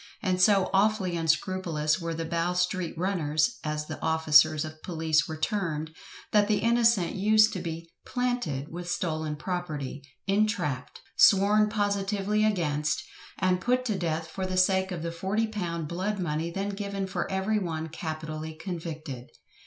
And so awfully unscrupulous were the "Bow street runners," as the officers of police were termed, that the innocent used to be "planted" with stolen property, entrapped, sworn positively against, and put to death for the sake of the £40 "blood money" then given for every one capitally convicted.